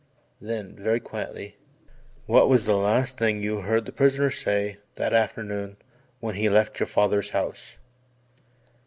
Then very quietly: "What was the last thing you heard the prisoner say that afternoon when he left your father's house?"